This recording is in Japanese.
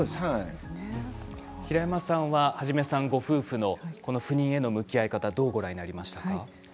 平山さんはハジメさんご夫婦の不妊への向き合い方どうご覧になりましたか。